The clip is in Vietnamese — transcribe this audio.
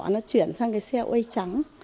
nó chuyển sang cái xe quay trắng